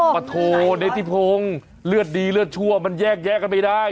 ปะโทเนธิพงศ์เลือดดีเลือดชั่วมันแยกแยะกันไม่ได้